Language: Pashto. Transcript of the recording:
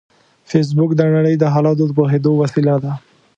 فېسبوک د نړۍ د حالاتو د پوهېدو وسیله ده